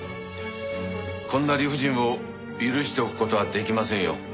こんな理不尽を許しておく事は出来ませんよ。